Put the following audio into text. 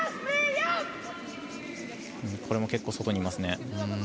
これも結構、外にいますね。